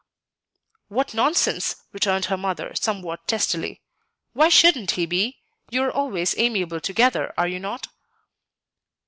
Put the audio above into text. '" "What nonsense!" returned her mother, somewhat testily. "Why shouldn't he be? You are always amiable together, are you not?"